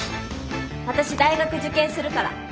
私大学受験するから。